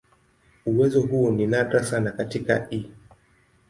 Uwezo huu ni nadra sana katika "E.